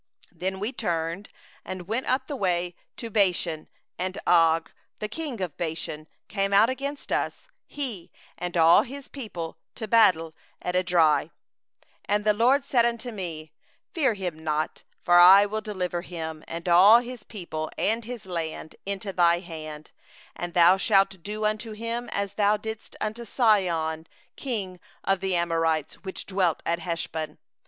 Then we turned, and went up the way to Bashan; and Og the king of Bashan came out against us, he and all his people, unto battle at Edrei. 2And the LORD said unto me: 'Fear him not; for I have delivered him, and all his people, and his land, into thy hand; and thou shalt do unto him as thou didst unto Sihon king of the Amorites, who dwelt at Heshbon.